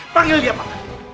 panggil dia pak